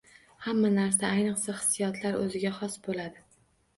Hamma narsa, ayniqsa hissiyotlar o‘ziga xos bo‘ladi